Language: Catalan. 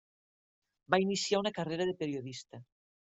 Va iniciar una carrera de periodista.